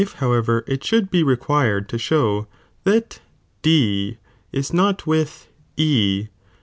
however it should be required to show* that Dia >iiin<ifiti not with E.